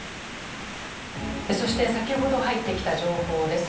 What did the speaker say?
そして先ほど入ってきた情報です。